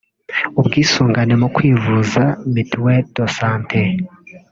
ubwisungane mu kwivuza (mutuelle de santé)